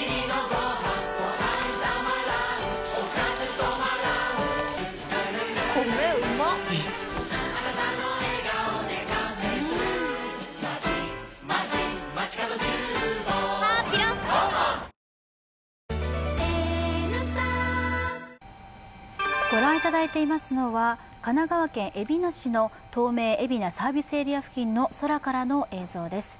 最後の一滴まで味わっちゃお「カルビーフルグラ」ご覧いただいていますのは神奈川県海老名市の東名・海老名サービスエリア付近の空からの映像です。